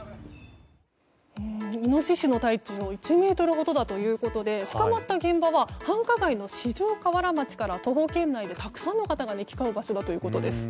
イノシシの体長１ｍほどだということで捕まった現場は繁華街の四条河原町から徒歩圏内でたくさんの方が行き交う場所だということです。